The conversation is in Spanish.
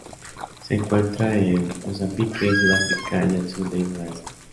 Se encuentra en Mozambique, Sudáfrica y al sur de Madagascar.